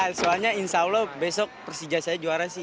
ya soalnya insya allah besok persija saya juara sih